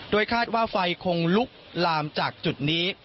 คาดว่าไฟคงลุกลามจากจุดนี้